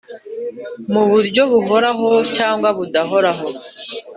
Mu buryo buhoraho cyangwa budahoraho